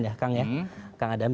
lima puluh satu persen ya kang adam